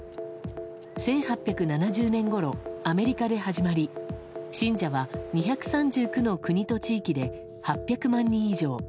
１８７０年ごろアメリカで始まり信者は２３９の国と地域で８００万人以上。